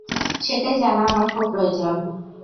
সেটাই জানা আমার খুবই প্রয়োজন।